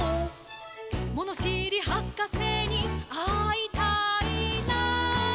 「ものしりはかせにあいたいな」